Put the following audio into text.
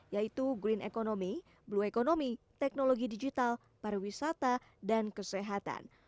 yaitu green economy blue economy teknologi digital pariwisata dan kesehatan